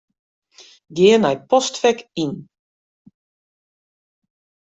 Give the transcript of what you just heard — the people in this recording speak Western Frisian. Gean nei Postfek Yn.